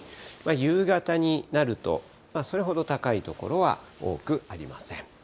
夕方になると、それほど高い所は多くありません。